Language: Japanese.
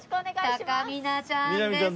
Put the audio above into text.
たかみなちゃんです。